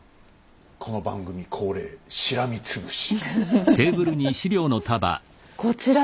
この番組恒例しらみつぶし！